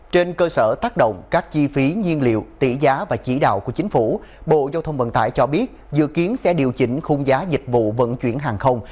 trên cơ sở tác động các chi phí nhiên liệu tỷ giá và chỉ đạo của chính phủ bộ giao thông vận tải cho biết dự kiến sẽ điều chỉnh khung giá dịch vụ vận chuyển hàng không